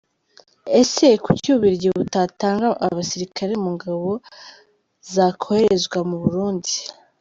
Ese Kuki u Bubiligi butatanga abasirikare mu ngabo zakoherezwa mu Burundi?.